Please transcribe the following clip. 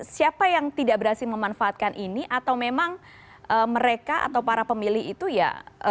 siapa yang tidak berhasil memanfaatkan ini atau memang mereka atau para pemilih itu ya